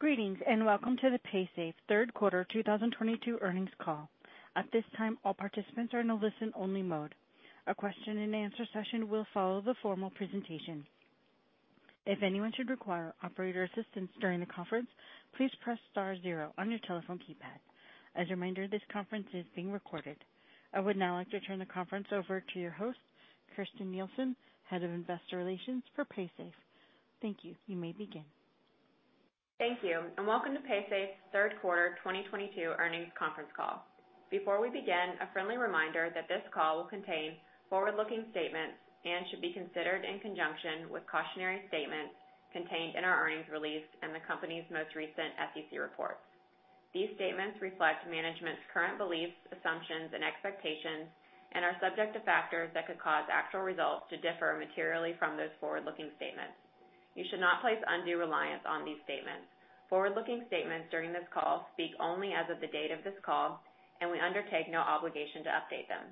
Greetings, and welcome to the Paysafe Third Quarter 2022 Earnings Call. At this time, all participants are in a listen-only mode. A question and answer session will follow the formal presentation. If anyone should require operator assistance during the conference, please press star zero on your telephone keypad. As a reminder, this conference is being recorded. I would now like to turn the conference over to your host, Kirsten Nielsen, Head of Investor Relations for Paysafe. Thank you. You may begin. Thank you, and welcome to Paysafe's Third Quarter 2022 Earnings Conference Call. Before we begin, a friendly reminder that this call will contain forward-looking statements and should be considered in conjunction with cautionary statements contained in our earnings release and the company's most recent SEC reports. These statements reflect management's current beliefs, assumptions, and expectations and are subject to factors that could cause actual results to differ materially from those forward-looking statements. You should not place undue reliance on these statements. Forward-looking statements during this call speak only as of the date of this call, and we undertake no obligation to update them.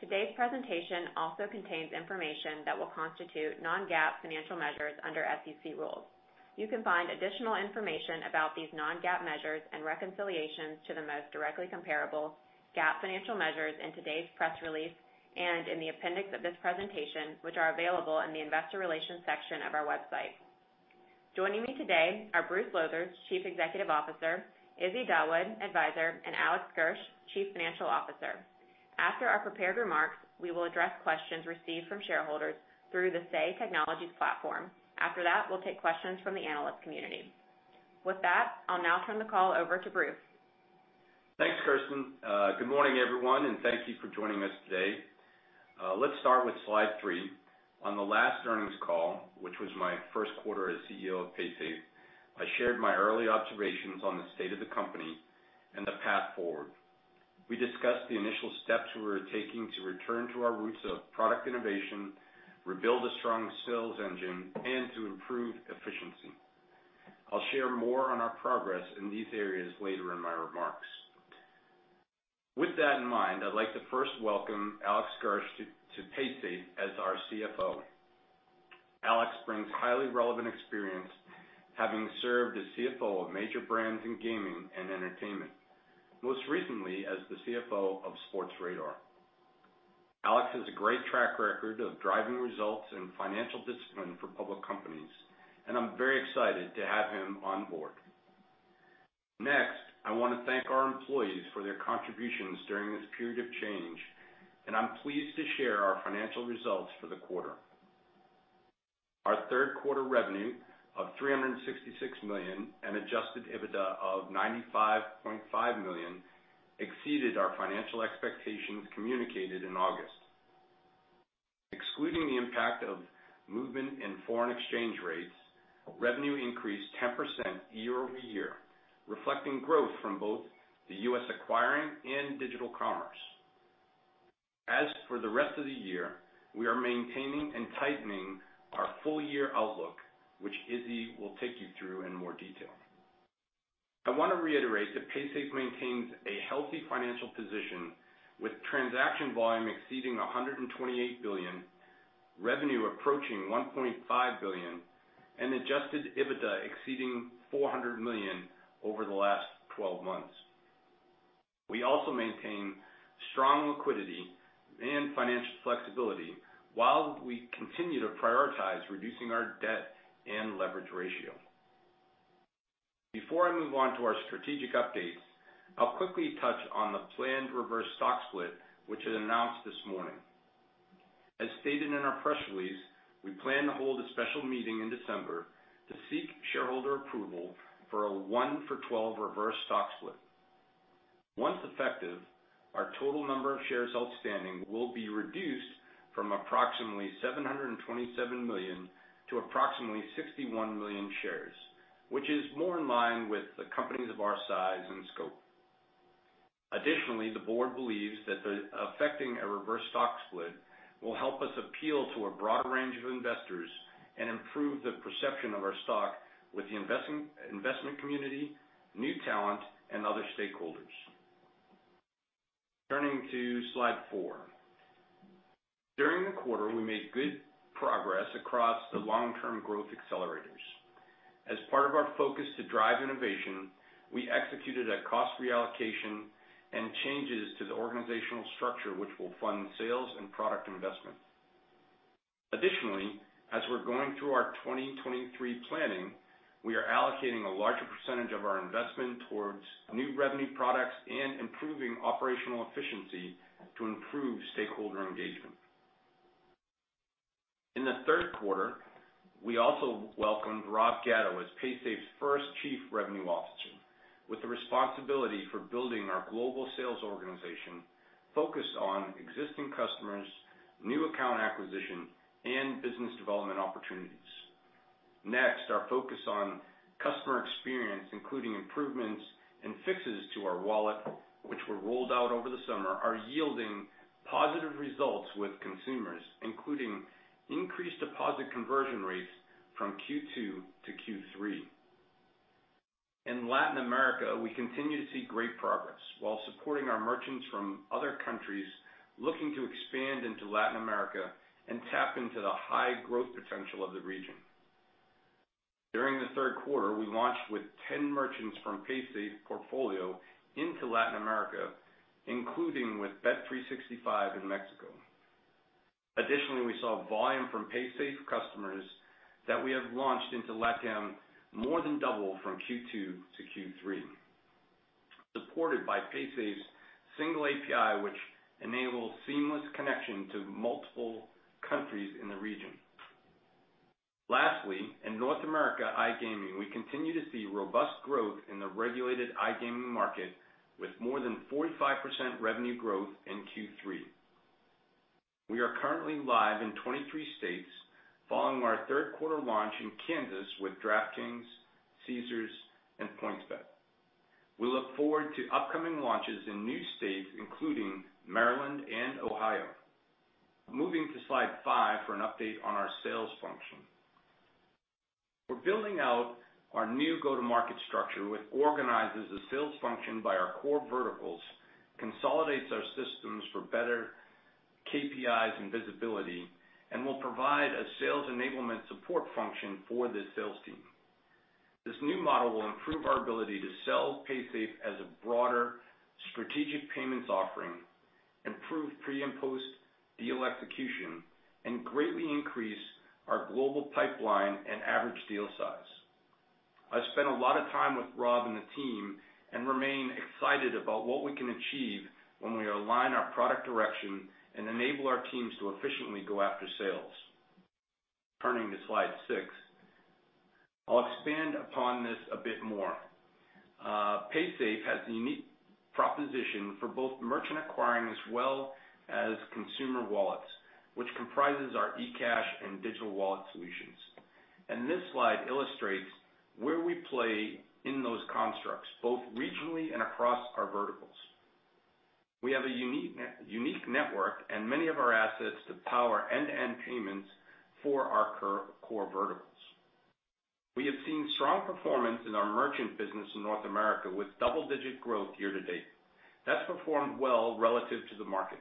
Today's presentation also contains information that will constitute non-GAAP financial measures under SEC rules. You can find additional information about these non-GAAP measures and reconciliations to the most directly comparable GAAP financial measures in today's press release and in the appendix of this presentation, which are available in the investor relations section of our website. Joining me today are Bruce Lowthers, Chief Executive Officer, Izzy Dawood, Advisor, and Alex Gersh, Chief Financial Officer. After our prepared remarks, we will address questions received from shareholders through the Say Technologies platform. After that, we'll take questions from the analyst community. With that, I'll now turn the call over to Bruce. Thanks, Kirsten. Good morning, everyone, and thank you for joining us today. Let's start with slide three. On the last earnings call, which was my first quarter as CEO of Paysafe, I shared my early observations on the state of the company and the path forward. We discussed the initial steps we were taking to return to our roots of product innovation, rebuild a strong sales engine, and to improve efficiency. I'll share more on our progress in these areas later in my remarks. With that in mind, I'd like to first welcome Alex Gersh to Paysafe as our CFO. Alex brings highly relevant experience, having served as CFO of major brands in gaming and entertainment, most recently as the CFO of Sportradar. Alex has a great track record of driving results and financial discipline for public companies, and I'm very excited to have him on board. Next, I wanna thank our employees for their contributions during this period of change, and I'm pleased to share our financial results for the quarter. Our third quarter revenue of $366 million and Adjusted EBITDA of $95.5 million exceeded our financial expectations communicated in August. Excluding the impact of movement in foreign exchange rates, revenue increased 10% year-over-year, reflecting growth from both the US Acquiring and Digital Commerce. As for the rest of the year, we are maintaining and tightening our full year outlook, which Izzy will take you through in more detail. I wanna reiterate that Paysafe maintains a healthy financial position with transaction volume exceeding $128 billion, revenue approaching $1.5 billion, and Adjusted EBITDA exceeding $400 million over the last twelve months. We also maintain strong liquidity and financial flexibility while we continue to prioritize reducing our debt and leverage ratio. Before I move on to our strategic updates, I'll quickly touch on the planned reverse stock split which is announced this morning. As stated in our press release, we plan to hold a special meeting in December to seek shareholder approval for a one for twelve reverse stock split. Once effective, our total number of shares outstanding will be reduced from approximately 727 million to approximately 61 million shares, which is more in line with the companies of our size and scope. The board believes that effecting a reverse stock split will help us appeal to a broader range of investors and improve the perception of our stock with the investment community, new talent, and other stakeholders. Turning to slide four. During the quarter, we made good progress across the long-term growth accelerators. As part of our focus to drive innovation, we executed a cost reallocation and changes to the organizational structure which will fund sales and product investment. Additionally, as we're going through our 2023 planning, we are allocating a larger percentage of our investment towards new revenue products and improving operational efficiency to improve stakeholder engagement. In the third quarter, we also welcomed Rob Gatto as Paysafe's first Chief Revenue Officer, with the responsibility for building our global sales organization focused on existing customers, new account acquisition, and business development opportunities. Next, our focus on customer experience, including improvements and fixes to our wallet which were rolled out over the summer, are yielding positive results with consumers, including increased deposit conversion rates from Q2 to Q3. In Latin America, we continue to see great progress while supporting our merchants from other countries looking to expand into Latin America and tap into the high growth potential of the region. During the third quarter, we launched with 10 merchants from Paysafe portfolio into Latin America, including with bet365 in Mexico. Additionally, we saw volume from Paysafe customers that we have launched into LATAM more than double from Q2 to Q3, supported by Paysafe's single API, which enables seamless connection to multiple countries in the region. Lastly, in North America iGaming, we continue to see robust growth in the regulated iGaming market with more than 45% revenue growth in Q3. We are currently live in 23 states following our third quarter launch in Kansas with DraftKings, Caesars and PointsBet. We look forward to upcoming launches in new states, including Maryland and Ohio. Moving to slide five for an update on our sales function. We're building out our new go-to-market structure, which organizes the sales function by our core verticals, consolidates our systems for better KPIs and visibility, and will provide a sales enablement support function for the sales team. This new model will improve our ability to sell Paysafe as a broader strategic payments offering, improve pre- and post-deal execution, and greatly increase our global pipeline and average deal size. I've spent a lot of time with Rob and the team and remain excited about what we can achieve when we align our product direction and enable our teams to efficiently go after sales. Turning to slide six. I'll expand upon this a bit more. Paysafe has a unique proposition for both merchant acquiring as well as consumer wallets, which comprises our eCash and digital wallet solutions. This slide illustrates where we play in those constructs, both regionally and across our verticals. We have a unique network and many of our assets to power end-to-end payments for our core verticals. We have seen strong performance in our merchant business in North America with double-digit growth year-to-date. That's performed well relative to the market.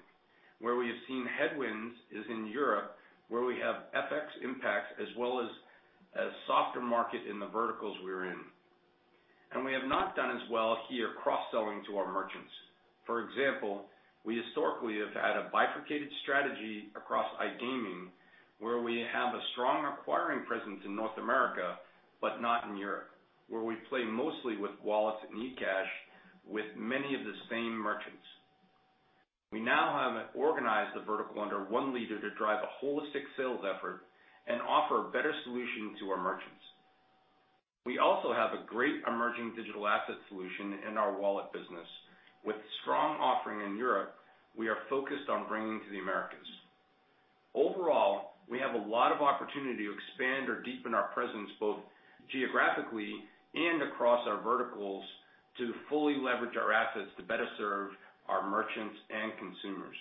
Where we have seen headwinds is in Europe, where we have FX impacts as well as a softer market in the verticals we're in. We have not done as well here cross-selling to our merchants. For example, we historically have had a bifurcated strategy across iGaming, where we have a strong acquiring presence in North America, but not in Europe, where we play mostly with wallets and eCash with many of the same merchants. We now have organized the vertical under one leader to drive a holistic sales effort and offer a better solution to our merchants. We also have a great emerging digital asset solution in our wallet business. With strong offering in Europe, we are focused on bringing to the Americas. Overall, we have a lot of opportunity to expand or deepen our presence, both geographically and across our verticals, to fully leverage our assets to better serve our merchants and consumers.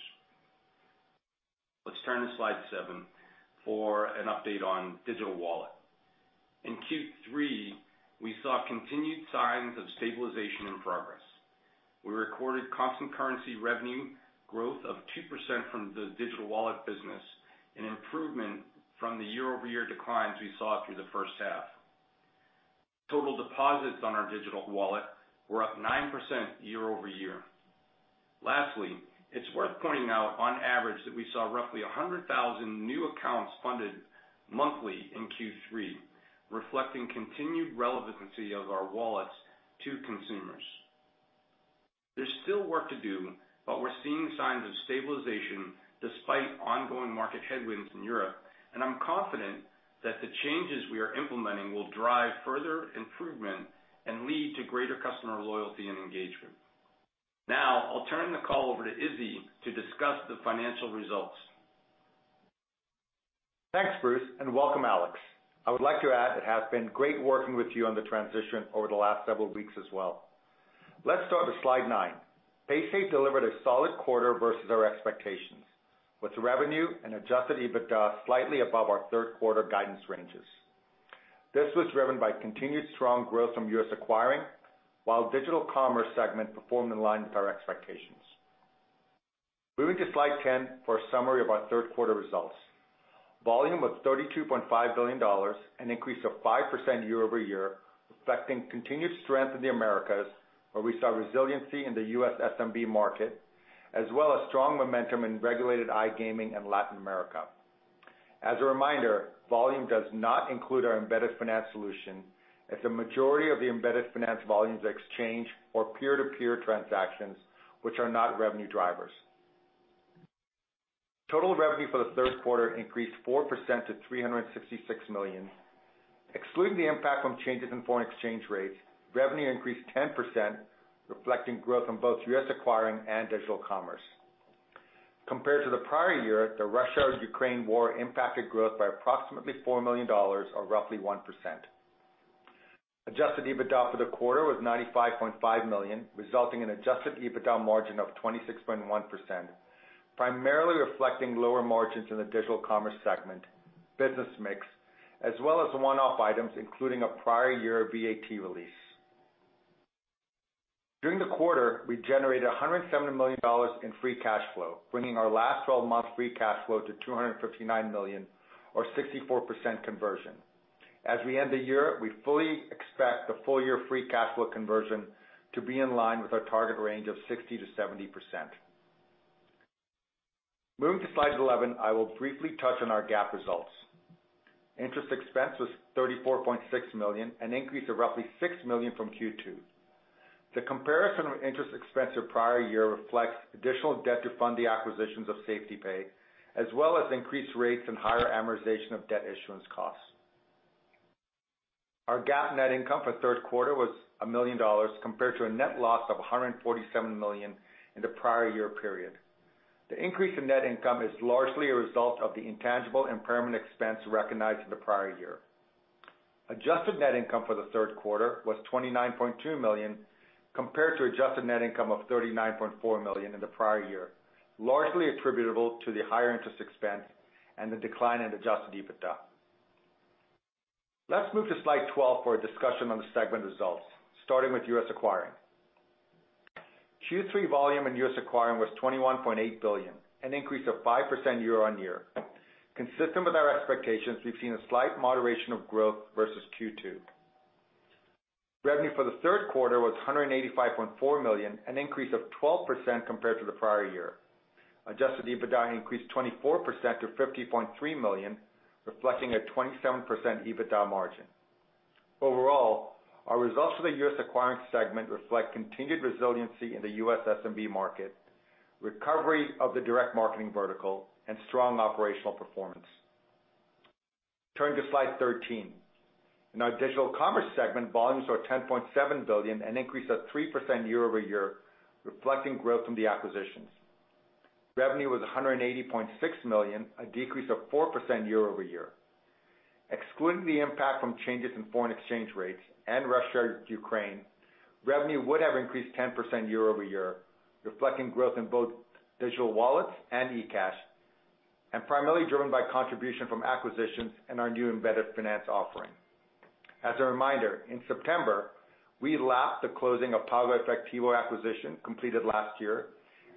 Let's turn to slide seven for an update on Digital Wallet. In Q3, we saw continued signs of stabilization and progress. We recorded constant currency revenue growth of 2% from the digital wallet business, an improvement from the year-over-year declines we saw through the first half. Total deposits on our digital wallet were up 9% year over year. Lastly, it's worth pointing out on average that we saw roughly 100,000 new accounts funded monthly in Q3, reflecting continued relevancy of our wallets to consumers. There's still work to do, but we're seeing signs of stabilization despite ongoing market headwinds in Europe, and I'm confident that the changes we are implementing will drive further improvement and lead to greater customer loyalty and engagement. Now, I'll turn the call over to Izzy to discuss the financial results. Thanks, Bruce, and welcome, Alex. I would like to add it has been great working with you on the transition over the last several weeks as well. Let's start with slide nine. Paysafe delivered a solid quarter versus our expectations, with revenue and Adjusted EBITDA slightly above our third quarter guidance ranges. This was driven by continued strong growth from US Acquiring, while Digital Commerce segment performed in line with our expectations. Moving to slide 10 for a summary of our third quarter results. Volume of $32.5 billion, an increase of 5% year-over-year, reflecting continued strength in the Americas, where we saw resiliency in the US SMB market, as well as strong momentum in regulated iGaming in Latin America. As a reminder, volume does not include our embedded finance solution, as the majority of the embedded finance volumes are exchange or peer-to-peer transactions, which are not revenue drivers. Total revenue for the third quarter increased 4% to $366 million. Excluding the impact from changes in foreign exchange rates, revenue increased 10%, reflecting growth in both US Acquiring and Digital Commerce. Compared to the prior year, the Russia-Ukraine war impacted growth by approximately $4 million or roughly 1%. Adjusted EBITDA for the quarter was $95.5 million, resulting in Adjusted EBITDA margin of 26.1%, primarily reflecting lower margins in the Digital Commerce segment. Business mix, as well as one-off items, including a prior year VAT release. During the quarter, we generated $170 million in free cash flow, bringing our last twelve-month free cash flow to $259 million or 64% conversion. As we end the year, we fully expect the full-year free cash flow conversion to be in line with our target range of 60%-70%. Moving to slide 11, I will briefly touch on our GAAP results. Interest expense was $34.6 million, an increase of roughly $6 million from Q2. The comparison of interest expense of prior year reflects additional debt to fund the acquisitions of SafetyPay, as well as increased rates and higher amortization of debt issuance costs. Our GAAP net income for third quarter was $1 million compared to a net loss of $147 million in the prior year period. The increase in net income is largely a result of the intangible impairment expense recognized in the prior year. Adjusted net income for the third quarter was $29.2 million compared to adjusted net income of $39.4 million in the prior year, largely attributable to the higher interest expense and the decline in Adjusted EBITDA. Let's move to slide 12 for a discussion on the segment results, starting with US Acquiring. Q3 volume in US Acquiring was $21.8 billion, an increase of 5% year-on-year. Consistent with our expectations, we've seen a slight moderation of growth versus Q2. Revenue for the third quarter was $185.4 million, an increase of 12% compared to the prior year. Adjusted EBITDA increased 24% to $50.3 million, reflecting a 27% EBITDA margin. Overall, our results for the US Acquiring segment reflect continued resiliency in the US SMB market, recovery of the direct marketing vertical, and strong operational performance. Turning to slide 13. In our Digital Commerce segment, volumes were $10.7 billion, an increase of 3% year-over-year, reflecting growth from the acquisitions. Revenue was $180.6 million, a decrease of 4% year-over-year. Excluding the impact from changes in foreign exchange rates and Russia-Ukraine, revenue would have increased 10% year-over-year, reflecting growth in both digital wallets and eCash, and primarily driven by contribution from acquisitions and our new embedded finance offering. As a reminder, in September, we lapped the closing of PagoEfectivo acquisition completed last year,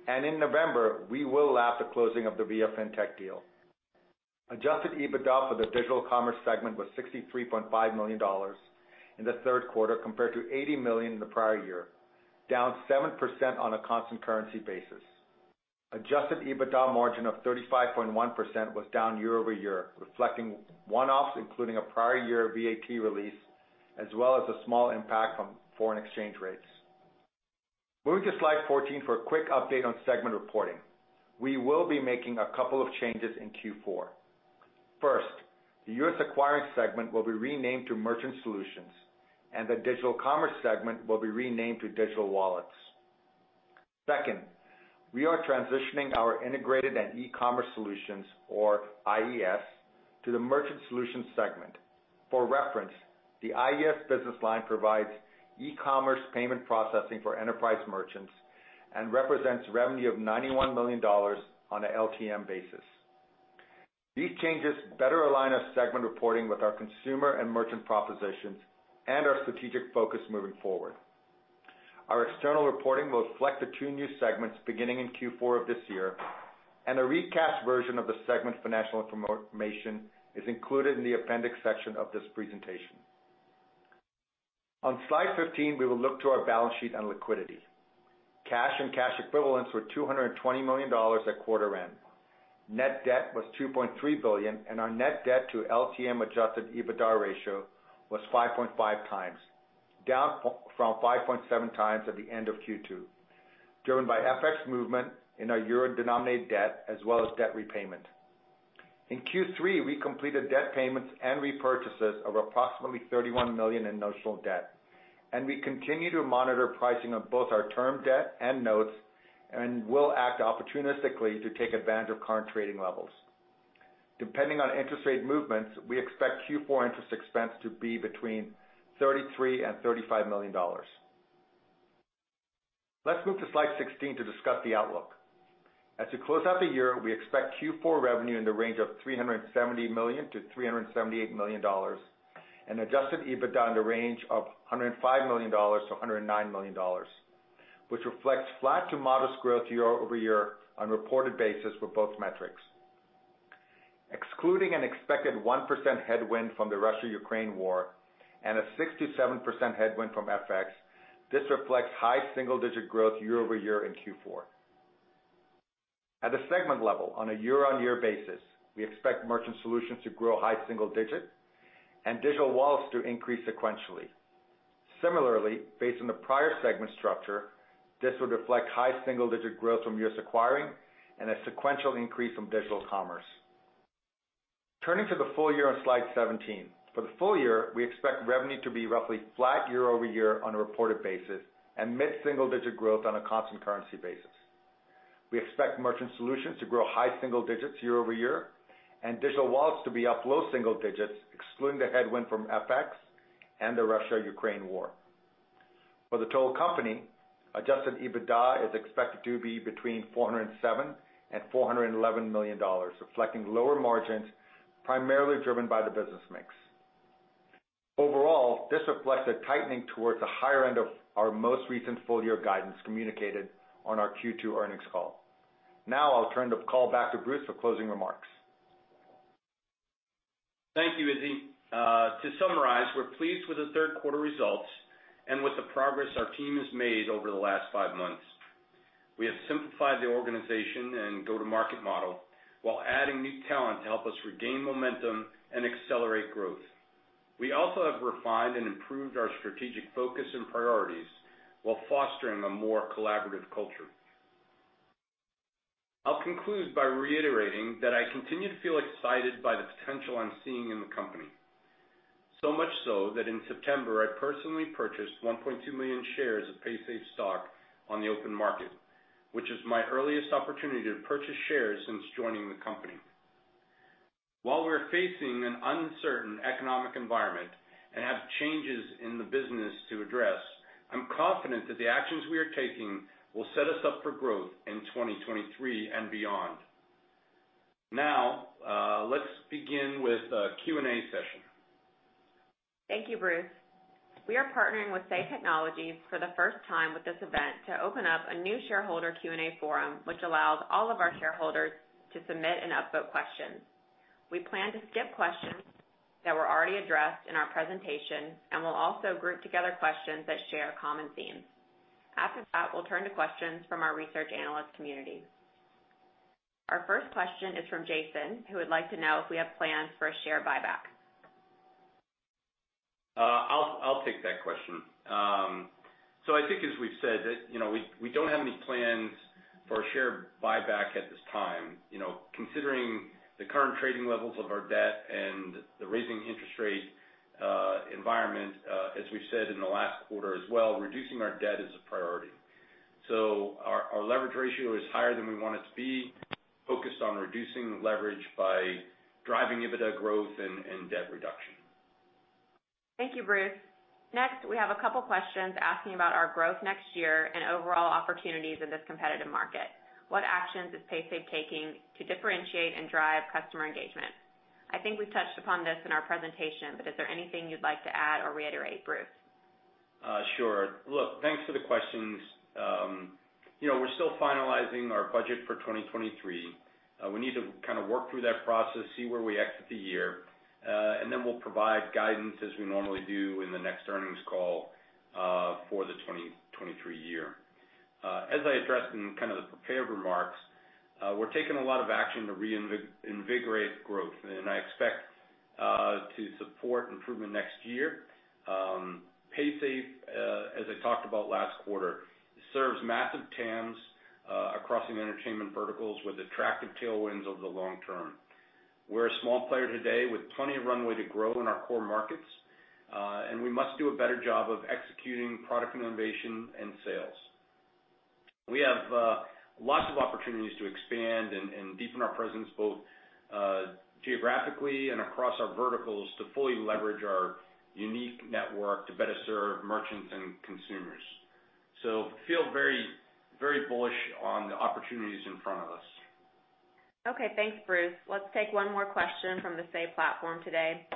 and in November, we will lap the closing of the viafintech deal. Adjusted EBITDA for the Digital Commerce segment was $63.5 million in the third quarter compared to $80 million in the prior year, down 7% on a constant currency basis. Adjusted EBITDA margin of 35.1% was down year-over-year, reflecting one-offs including a prior year VAT release, as well as a small impact from foreign exchange rates. Moving to slide 14 for a quick update on segment reporting. We will be making a couple of changes in Q4. First, the US Acquiring segment will be renamed to Merchant Solutions, and the Digital Commerce segment will be renamed to Digital Wallets. Second, we are transitioning our integrated and e-commerce solutions, or IES, to the Merchant Solutions segment. For reference, the IES business line provides e-commerce payment processing for enterprise merchants and represents revenue of $91 million on a LTM basis. These changes better align our segment reporting with our consumer and merchant propositions and our strategic focus moving forward. Our external reporting will reflect the two new segments beginning in Q4 of this year, and a recast version of the segment's financial information is included in the appendix section of this presentation. On slide 15, we will look to our balance sheet and liquidity. Cash and cash equivalents were $220 million at quarter end. Net debt was $2.3 billion, and our net debt to LTM Adjusted EBITDA ratio was 5.5x, down from 5.7x at the end of Q2, driven by FX movement in our euro-denominated debt as well as debt repayment. In Q3, we completed debt payments and repurchases of approximately $31 million in notional debt, and we continue to monitor pricing of both our term debt and notes and will act opportunistically to take advantage of current trading levels. Depending on interest rate movements, we expect Q4 interest expense to be between $33 million-$35 million. Let's move to slide 16 to discuss the outlook. As we close out the year, we expect Q4 revenue in the range of $370 million-$378 million and Adjusted EBITDA in the range of $105 million-$109 million, which reflects flat to modest growth year-over-year on a reported basis for both metrics. Excluding an expected 1% headwind from the Russia-Ukraine war and a 6%-7% headwind from FX, this reflects high single-digit growth year-over-year in Q4. At the segment level, on a year-over-year basis, we expect Merchant Solutions to grow high single-digit and Digital Wallets to increase sequentially. Similarly, based on the prior segment structure, this would reflect high single-digit growth from US Acquiring and a sequential increase from Digital Commerce. Turning to the full year on slide 17. For the full year, we expect revenue to be roughly flat year-over-year on a reported basis and mid-single-digit growth on a constant currency basis. We expect Merchant Solutions to grow high single digits year-over-year and Digital Wallets to be up low single digits, excluding the headwind from FX and the Russia-Ukraine war. For the total company, Adjusted EBITDA is expected to be between $407 million and $411 million, reflecting lower margins, primarily driven by the business mix. Overall, this reflects a tightening towards the higher end of our most recent full year guidance communicated on our Q2 earnings call. Now I'll turn the call back to Bruce for closing remarks. Thank you, Izzy. To summarize, we're pleased with the third quarter results and with the progress our team has made over the last five months. We have simplified the organization and go-to-market model while adding new talent to help us regain momentum and accelerate growth. We also have refined and improved our strategic focus and priorities while fostering a more collaborative culture. I'll conclude by reiterating that I continue to feel excited by the potential I'm seeing in the company. So much so that in September I personally purchased 1.2 million shares of Paysafe stock on the open market, which is my earliest opportunity to purchase shares since joining the company. While we're facing an uncertain economic environment and have changes in the business to address, I'm confident that the actions we are taking will set us up for growth in 2023 and beyond. Now, let's begin with the Q&A session. Thank you, Bruce. We are partnering with Say Technologies for the first time with this event to open up a new shareholder Q&A forum, which allows all of our shareholders to submit and upvote questions. We plan to skip questions that were already addressed in our presentation, and we'll also group together questions that share common themes. After that, we'll turn to questions from our research analyst community. Our first question is from Jason, who would like to know if we have plans for a share buyback. I'll take that question. I think as we've said that, you know, we don't have any plans for a share buyback at this time. You know, considering the current trading levels of our debt and the rising interest rate environment, as we've said in the last quarter as well, reducing our debt is a priority. Our leverage ratio is higher than we want it to be. Focused on reducing leverage by driving EBITDA growth and debt reduction. Thank you, Bruce. Next, we have a couple questions asking about our growth next year and overall opportunities in this competitive market. What actions is Paysafe taking to differentiate and drive customer engagement? I think we've touched upon this in our presentation, but is there anything you'd like to add or reiterate, Bruce? Sure. Look, thanks for the questions. You know, we're still finalizing our budget for 2023. We need to kinda work through that process, see where we exit the year, and then we'll provide guidance as we normally do in the next earnings call, for the 2023 year. As I addressed in kind of the prepared remarks, we're taking a lot of action to reinvigorate growth, and I expect to support improvement next year. Paysafe, as I talked about last quarter, serves massive TAMs across the entertainment verticals with attractive tailwinds over the long term. We're a small player today with plenty of runway to grow in our core markets, and we must do a better job of executing product innovation and sales. We have lots of opportunities to expand and deepen our presence both geographically and across our verticals to fully leverage our unique network to better serve merchants and consumers. Feel very, very bullish on the opportunities in front of us. Okay. Thanks, Bruce. Let's take one more question from the Say platform today.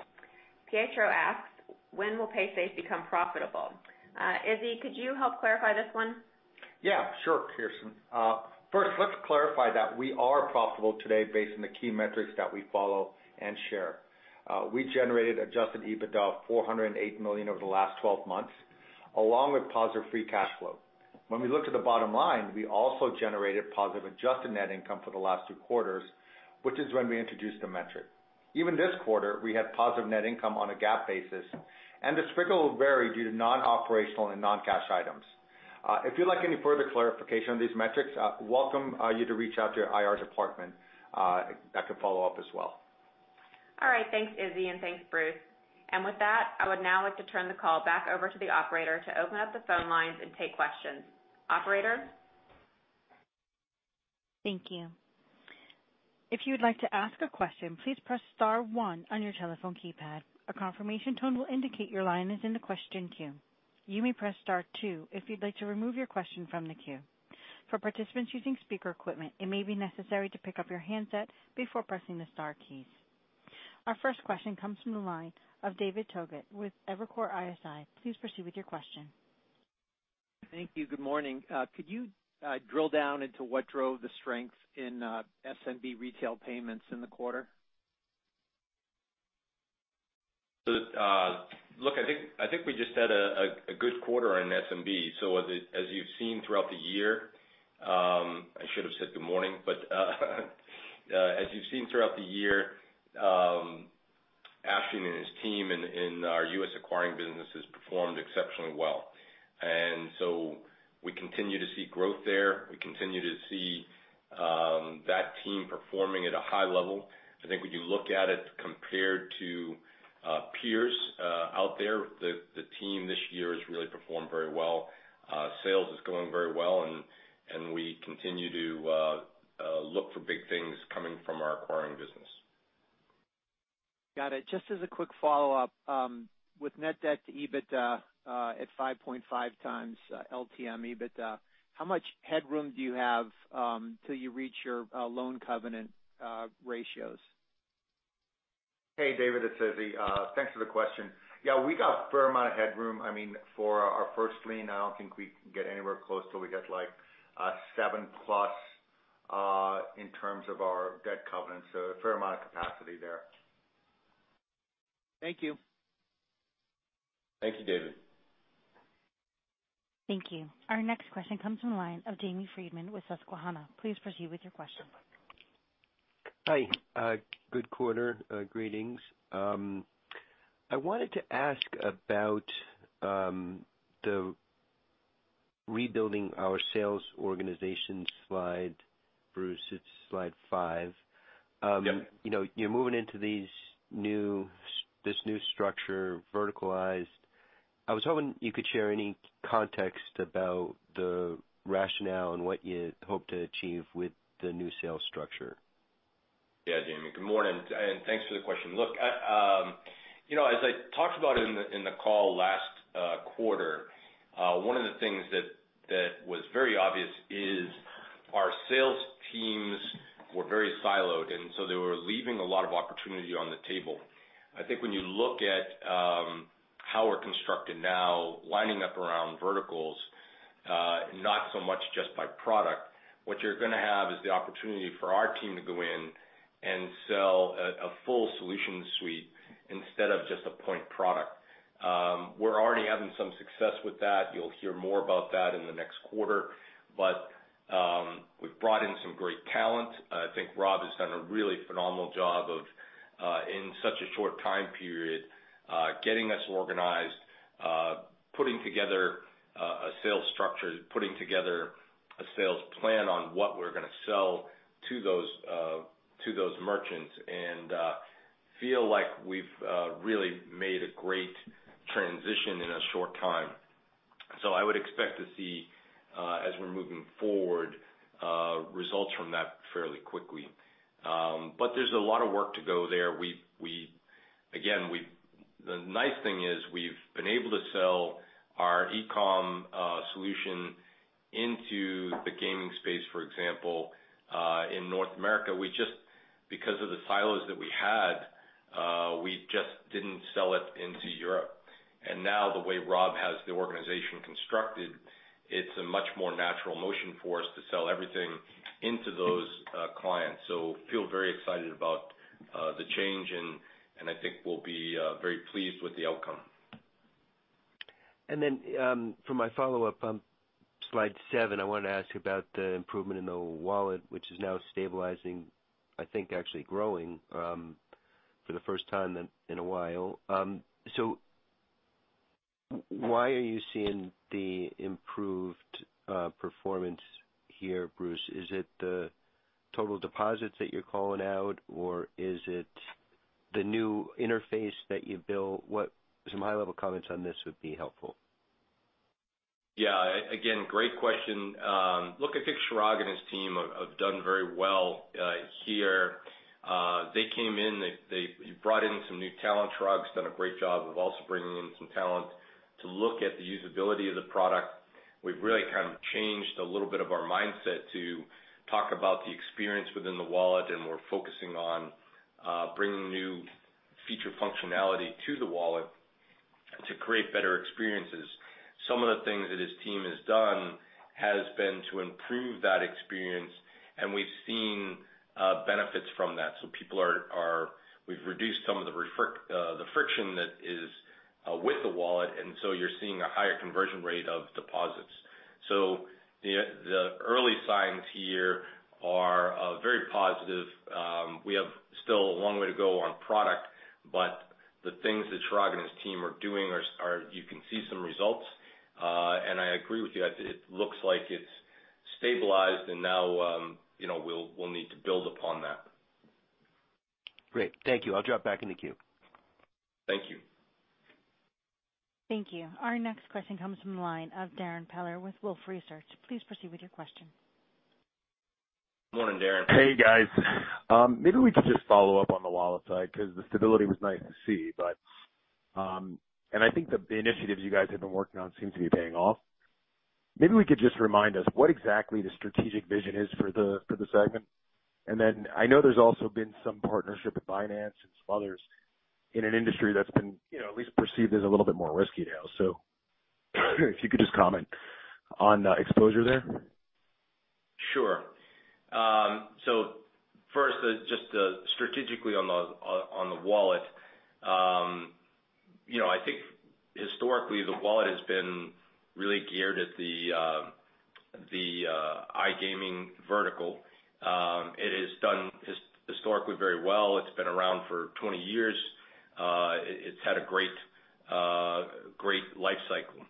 Pietro asks, "When will Paysafe become profitable?" Izzy, could you help clarify this one? Yeah, sure, Kirsten. First, let's clarify that we are profitable today based on the key metrics that we follow and share. We generated Adjusted EBITDA of $408 million over the last twelve months, along with positive free cash flow. When we look to the bottom line, we also generated positive adjusted net income for the last two quarters, which is when we introduced the metric. Even this quarter, we had positive net income on a GAAP basis, and the results will vary due to non-operational and non-cash items. If you'd like any further clarification on these metrics, I welcome you to reach out to your IR department that could follow up as well. All right. Thanks, Izzy, and thanks, Bruce. With that, I would now like to turn the call back over to the operator to open up the phone lines and take questions. Operator? Thank you. If you would like to ask a question, please press star one on your telephone keypad. A confirmation tone will indicate your line is in the question queue. You may press star two if you'd like to remove your question from the queue. For participants using speaker equipment, it may be necessary to pick up your handset before pressing the star keys. Our first question comes from the line of David Togut with Evercore ISI. Please proceed with your question. Thank you. Good morning. Could you drill down into what drove the strength in SMB retail payments in the quarter? Look, I think we just had a good quarter in SMB. I should have said good morning. As you've seen throughout the year, Afshin and his team in our US Acquiring business has performed exceptionally well. We continue to see growth there. We continue to see that team performing at a high level. I think when you look at it compared to peers out there, the team this year has really performed very well. Sales is going very well and we continue to look for big things coming from our Acquiring business. Got it. Just as a quick follow-up, with net debt to EBITDA at 5.5x LTM EBITDA, how much headroom do you have till you reach your loan covenant ratios? Hey, David, this is Izzy Dawood. Thanks for the question. Yeah, we got a fair amount of headroom. I mean, for our first lien, I don't think we can get anywhere close till we get, like, 7+, in terms of our debt covenants. So a fair amount of capacity there. Thank you. Thank you, David. Thank you. Our next question comes from the line of Jamie Friedman with Susquehanna. Please proceed with your question. Hi. Good quarter. Greetings. I wanted to ask about the rebuilding our sales organization slide, Bruce, it's slide five. Yep. You know, you're moving into this new structure, verticalized. I was hoping you could share any context about the rationale and what you hope to achieve with the new sales structure. Yeah, Jamie. Good morning, and thanks for the question. Look, you know, as I talked about in the call last quarter, one of the things that was very obvious is our sales teams were very siloed, and so they were leaving a lot of opportunity on the table. I think when you look at how we're constructed now, lining up around verticals, not so much just by product, what you're gonna have is the opportunity for our team to go in and sell a full solution suite instead of just a point product. We're already having some success with that. You'll hear more about that in the next quarter. We've brought in some great talent. I think Rob has done a really phenomenal job of, in such a short time period, getting us organized, putting together a sales structure, putting together a sales plan on what we're gonna sell to those merchants. I feel like we've really made a great transition in a short time. I would expect to see, as we're moving forward, results from that fairly quickly. But there's a lot of work to go there. The nice thing is we've been able to sell our e-com solution into the gaming space, for example, in North America. We just, because of the silos that we had, we just didn't sell it into Europe. Now the way Rob has the organization constructed, it's a much more natural motion for us to sell everything into those clients. Feel very excited about the change, and I think we'll be very pleased with the outcome. For my follow-up, on slide seven, I wanna ask about the improvement in the wallet, which is now stabilizing, I think actually growing, for the first time in a while. Why are you seeing the improved performance here, Bruce? Is it the total deposits that you're calling out, or is it the new interface that you built? Some high-level comments on this would be helpful. Yeah. Again, great question. Look, I think Chirag and his team have done very well here. They came in, they brought in some new talent. Chirag's done a great job of also bringing in some talent to look at the usability of the product. We've really kind of changed a little bit of our mindset to talk about the experience within the wallet, and we're focusing on bringing new feature functionality to the wallet to create better experiences. Some of the things that his team has done has been to improve that experience, and we've seen benefits from that, so people are. We've reduced some of the friction that is with the wallet, and so you're seeing a higher conversion rate of deposits. The early signs here are very positive. We have still a long way to go on product, but the things that Chirag and his team are doing, you can see some results. I agree with you. I think it looks like it's stabilized and now, you know, we'll need to build upon that. Great. Thank you. I'll drop back in the queue. Thank you. Thank you. Our next question comes from the line of Darrin Peller with Wolfe Research. Please proceed with your question. Morning, Darrin. Hey, guys. Maybe we could just follow up on the wallet side, 'cause the stability was nice to see. I think the initiatives you guys have been working on seem to be paying off. Maybe we could just remind us what exactly the strategic vision is for the segment. I know there's also been some partnership with Binance and some others in an industry that's been, you know, at least perceived as a little bit more risky now. If you could just comment on the exposure there. Sure. First, just strategically on the wallet, you know, I think historically, the wallet has been really geared at the iGaming vertical. It has done historically very well. It's been around for 20 years. It's had a great life cycle.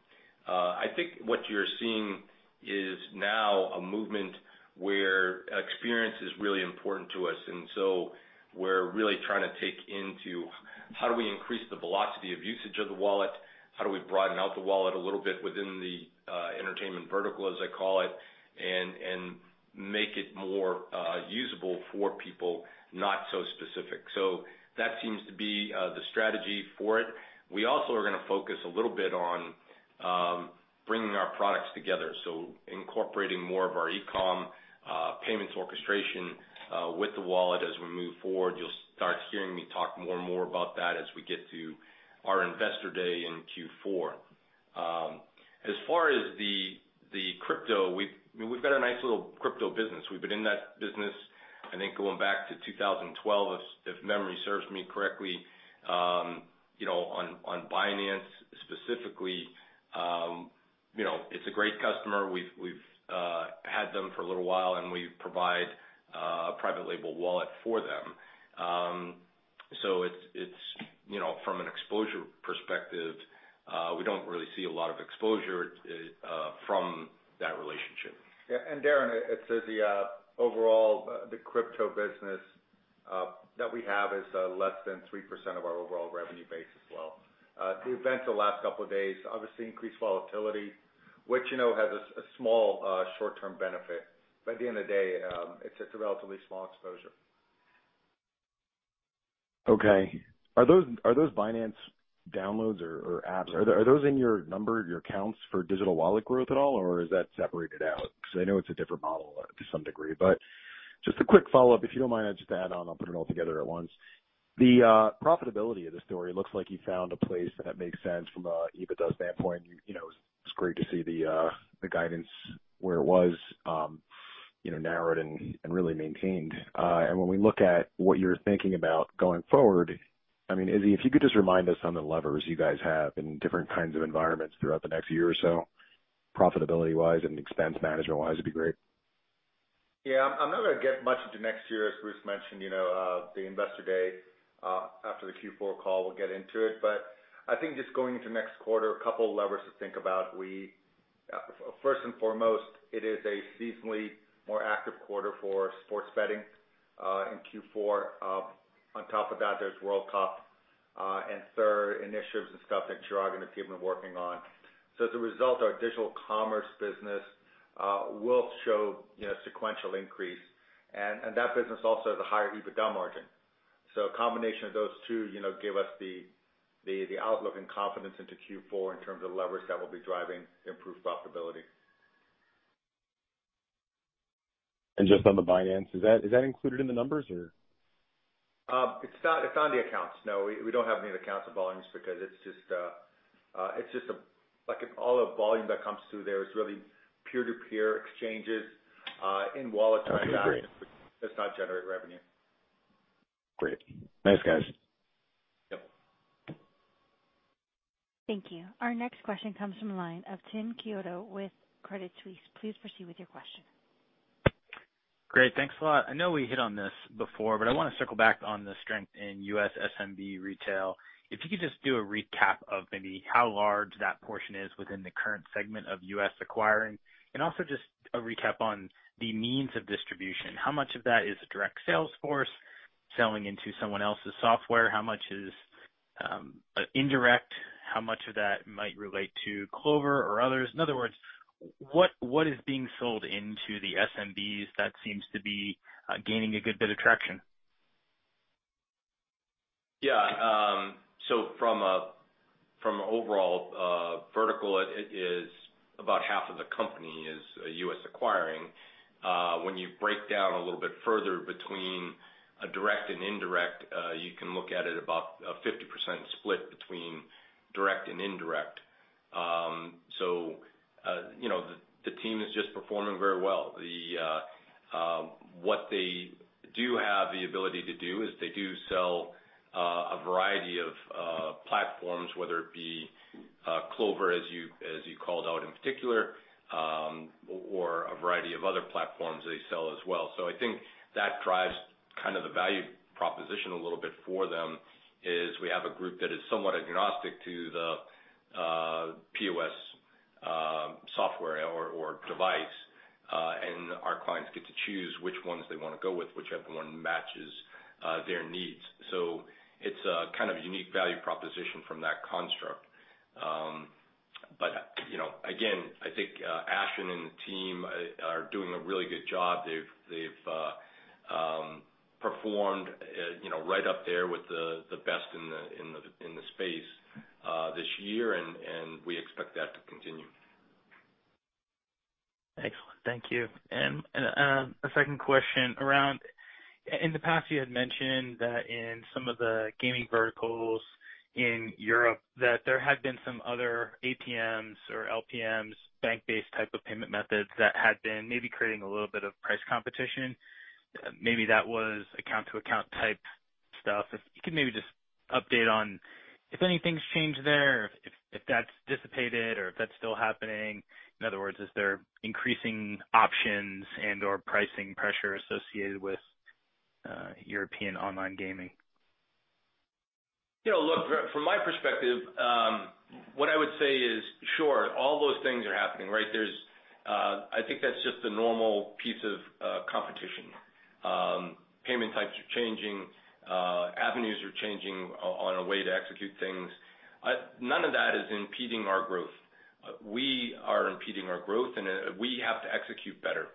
I think what you're seeing is now a movement where experience is really important to us. We're really trying to take into how do we increase the velocity of usage of the wallet? How do we broaden out the wallet a little bit within the entertainment vertical, as I call it, and make it more usable for people not so specific. That seems to be the strategy for it. We also are gonna focus a little bit on bringing our products together, so incorporating more of our e-com payments orchestration with the wallet as we move forward. You'll start hearing me talk more and more about that as we get to our investor day in Q4. As far as the crypto, we've got a nice little crypto business. We've been in that business, I think, going back to 2012, if memory serves me correctly. You know, on Binance specifically, you know, it's a great customer. We've had them for a little while, and we provide a private label wallet for them. It's you know, from an exposure perspective, we don't really see a lot of exposure from that relationship. Yeah, Darrin, it says the overall crypto business that we have is less than 3% of our overall revenue base as well. The events of the last couple of days obviously increased volatility, which, you know, has a small short-term benefit, but at the end of the day, it's just a relatively small exposure. Okay. Are those Binance downloads or apps? Are those in your number, your counts for digital wallet growth at all, or is that separated out? 'Cause I know it's a different model to some degree. Just a quick follow-up, if you don't mind, just to add on, I'll put it all together at once. The profitability of the story looks like you found a place that makes sense from a EBITDA standpoint. You know, it's great to see the guidance where it was, you know, narrowed and really maintained. When we look at what you're thinking about going forward, I mean, Izzy, if you could just remind us on the levers you guys have in different kinds of environments throughout the next year or so, profitability-wise and expense management-wise, it'd be great. Yeah. I'm not gonna get much into next year. As Bruce mentioned, you know, the Investor Day after the Q4 call, we'll get into it. I think just going into next quarter, a couple levers to think about. First and foremost, it is a seasonally more active quarter for sports betting in Q4. On top of that, there's World Cup and third initiatives and stuff that Chirag and the team are working on. As a result, our Digital Commerce business will show, you know, sequential increase. That business also has a higher EBITDA margin. A combination of those two, you know, give us the outlook and confidence into Q4 in terms of levers that will be driving improved profitability. Just on the Binance, is that included in the numbers or? It's not, it's on the accounts. No, we don't have any accounts or volumes because it's just like all the volume that comes through there is really peer-to-peer exchanges in wallet transactions. Okay, great. Does not generate revenue. Great. Thanks, guys. Yep. Thank you. Our next question comes from the line of Tim Chiodo with Credit Suisse. Please proceed with your question. Great. Thanks a lot. I know we hit on this before, but I wanna circle back on the strength in U.S. SMB retail. If you could just do a recap of maybe how large that portion is within the current segment of US Acquiring, and also just a recap on the means of distribution. How much of that is a direct sales force selling into someone else's software? How much is indirect? How much of that might relate to Clover or others? In other words, what is being sold into the SMBs that seems to be gaining a good bit of traction? From an overall vertical, it is about half of the company, US Acquiring. When you break down a little bit further between direct and indirect, you can look at it about a 50% split between direct and indirect. The team is just performing very well. What they do have the ability to do is they do sell a variety of platforms, whether it be Clover, as you called out in particular, or a variety of other platforms they sell as well. I think that drives kind of the value proposition a little bit for them, is we have a group that is somewhat agnostic to the POS software or device, and our clients get to choose which ones they wanna go with, whichever one matches their needs. It's a kind of unique value proposition from that construct. But, you know, again, I think Afshin and the team are doing a really good job. They've performed, you know, right up there with the best in the space this year, and we expect that to continue. Excellent. Thank you. A second question. In the past, you had mentioned that in some of the gaming verticals in Europe that there had been some other APMs or LPMs, bank-based type of payment methods that had been maybe creating a little bit of price competition. Maybe that was account-to-account type stuff. If you could maybe just update on if anything's changed there, if that's dissipated or if that's still happening. In other words, is there increasing options and/or pricing pressure associated with European online gaming? You know, look, from my perspective. All those things are happening, right? I think that's just the normal piece of competition. Payment types are changing, avenues are changing in a way to execute things. None of that is impeding our growth. We are impeding our growth, and we have to execute better.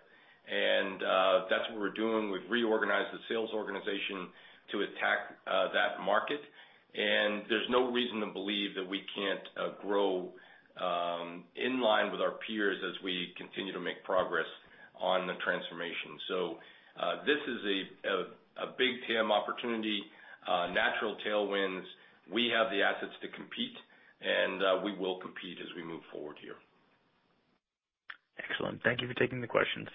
That's what we're doing. We've reorganized the sales organization to attack that market. There's no reason to believe that we can't grow in line with our peers as we continue to make progress on the transformation. This is a big TAM opportunity, natural tailwinds. We have the assets to compete, and we will compete as we move forward here. Excellent. Thank you for taking the questions.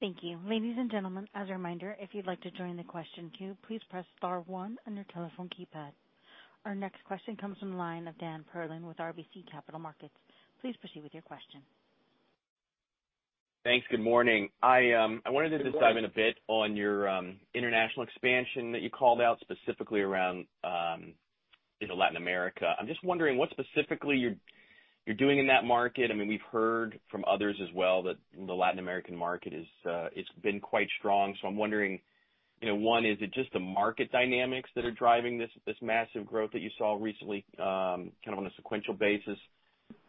Thank you. Ladies and gentlemen, as a reminder, if you'd like to join the question queue, please press star one on your telephone keypad. Our next question comes from the line of Dan Perlin with RBC Capital Markets. Please proceed with your question. Thanks. Good morning. I wondered if Good morning. You could dive in a bit on your international expansion that you called out specifically around, you know, Latin America. I'm just wondering what specifically you're doing in that market. I mean, we've heard from others as well that the Latin American market is, it's been quite strong. So I'm wondering, you know, one, is it just the market dynamics that are driving this massive growth that you saw recently, kind of on a sequential basis?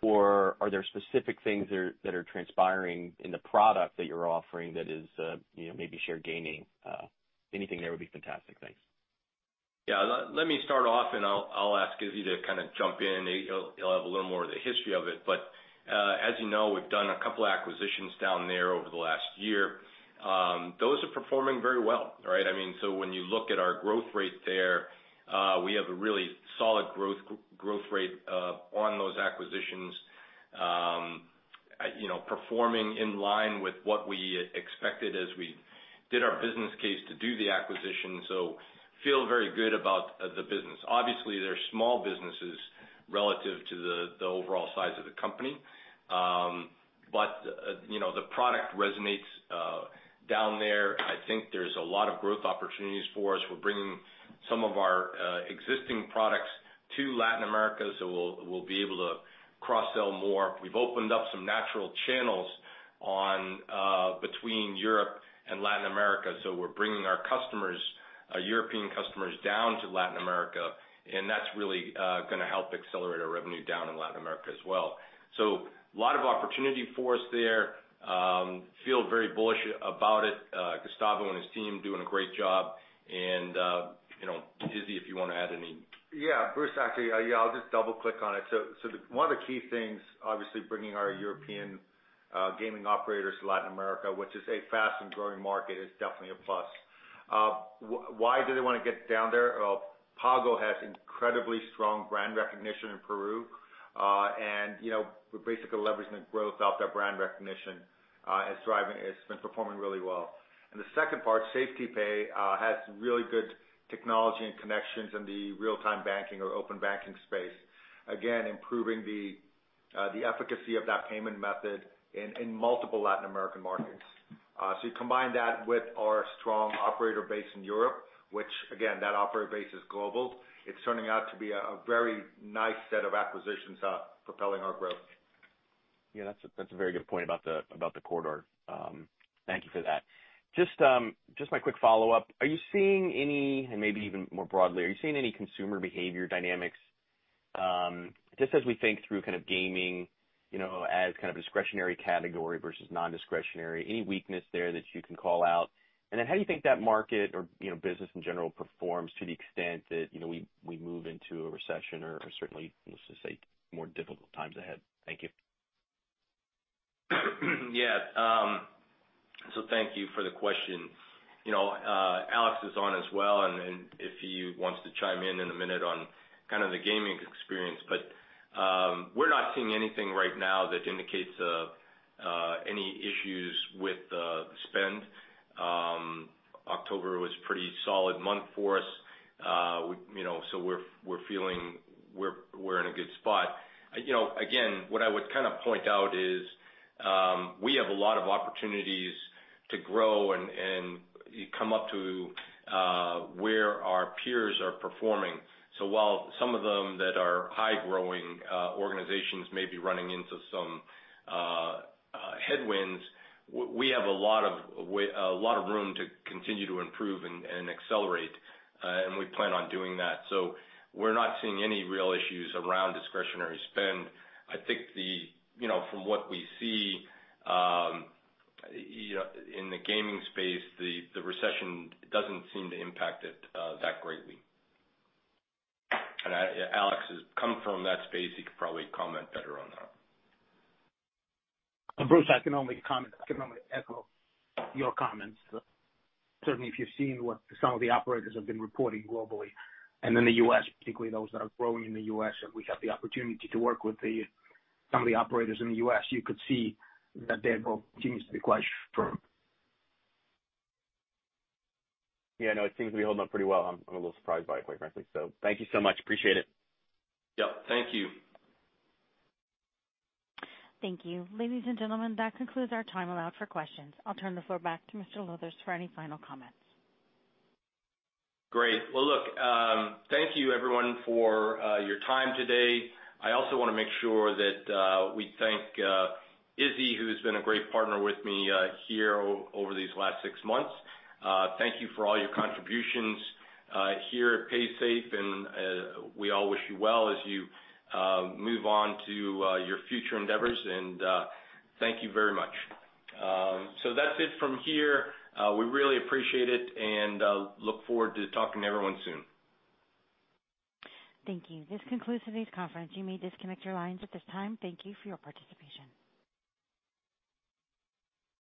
Or are there specific things that are transpiring in the product that you're offering that is, you know, maybe share gaining? Anything there would be fantastic. Thanks. Let me start off, and I'll ask Izzy to kinda jump in. He'll have a little more of the history of it. As you know, we've done a couple acquisitions down there over the last year. Those are performing very well, right? I mean, when you look at our growth rate there, we have a really solid growth rate on those acquisitions. You know, performing in line with what we expected as we did our business case to do the acquisition. Feel very good about the business. Obviously, they're small businesses relative to the overall size of the company. You know, the product resonates down there. I think there's a lot of growth opportunities for us. We're bringing some of our existing products to Latin America, so we'll be able to cross-sell more. We've opened up some natural channels between Europe and Latin America, so we're bringing our customers, our European customers down to Latin America, and that's really gonna help accelerate our revenue down in Latin America as well. A lot of opportunity for us there. Feel very bullish about it. Gustavo and his team doing a great job and, you know, Izzy, if you wanna add any. Bruce, actually, I'll just double-click on it. One of the key things, obviously bringing our European gaming operators to Latin America, which is a fast and growing market, is definitely a plus. Why do they wanna get down there? Well, PagoEfectivo has incredibly strong brand recognition in Peru. And, you know, we're basically leveraging the growth off that brand recognition and thriving. It's been performing really well. The second part, SafetyPay has really good technology and connections in the real-time banking or open banking space. Again, improving the efficacy of that payment method in multiple Latin American markets. You combine that with our strong operator base in Europe, which again, that operator base is global, it's turning out to be a very nice set of acquisitions propelling our growth. Yeah, that's a very good point about the corridor. Thank you for that. Just my quick follow-up. Are you seeing any, and maybe even more broadly, are you seeing any consumer behavior dynamics, just as we think through kind of gaming, you know, as kind of discretionary category versus non-discretionary? Any weakness there that you can call out? How do you think that market or, you know, business in general performs to the extent that, you know, we move into a recession or certainly, let's just say, more difficult times ahead? Thank you. Yeah. Thank you for the question. You know, Alex is on as well, and if he wants to chime in in a minute on kind of the gaming experience. We're not seeing anything right now that indicates any issues with the spend. October was pretty solid month for us. You know, so we're feeling we're in a good spot. You know, again, what I would kind of point out is, we have a lot of opportunities to grow and come up to where our peers are performing. While some of them that are high-growing organizations may be running into some headwinds, we have a lot of room to continue to improve and accelerate, and we plan on doing that. We're not seeing any real issues around discretionary spend. I think you know, from what we see, in the gaming space, the recession doesn't seem to impact it that greatly. Alex has come from that space. He could probably comment better on that. Bruce, I can only echo your comments. Certainly, if you've seen what some of the operators have been reporting globally, and in the US particularly, those that are growing in the US, and we have the opportunity to work with some of the operators in the US, you could see that their growth continues to be quite firm. Yeah, no, it seems to be holding up pretty well. I'm a little surprised by it, quite frankly. Thank you so much. Appreciate it. Yep, thank you. Thank you. Ladies and gentlemen, that concludes our time allowed for questions. I'll turn the floor back to Mr. Lowthers for any final comments. Great. Well, look, thank you everyone for your time today. I also wanna make sure that we thank Izzy, who's been a great partner with me here over these last six months. Thank you for all your contributions here at Paysafe, and we all wish you well as you move on to your future endeavors and thank you very much. That's it from here. We really appreciate it and look forward to talking to everyone soon. Thank you. This concludes today's conference. You may disconnect your lines at this time. Thank you for your participation.